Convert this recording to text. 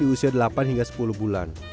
di usia delapan hingga sepuluh bulan